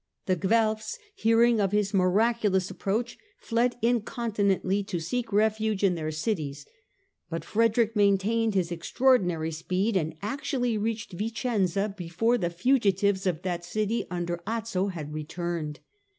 The Guelfs, hearing of his miraculous approach, fled incontinently to seek refuge in their cities ; but Frederick maintained his extra ordinary speed and actually reached Vicenza before the fugitives of that city under Azzo had returned.